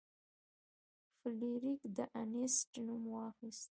فلیریک د انیسټ نوم واخیست.